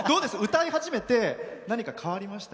歌い始めて何か変わりました？